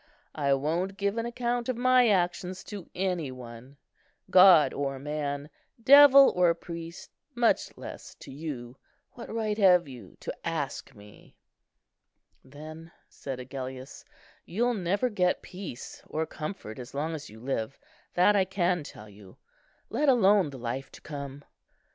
I won't give an account of my actions to any one, God or man, devil or priest, much less to you. What right have you to ask me?" "Then," said Agellius, "you'll never get peace or comfort as long as you live, that I can tell you, let alone the life to come."